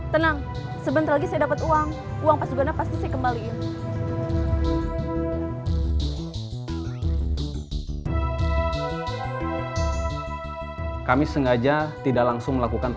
tenang sebentar lagi saya dapat uang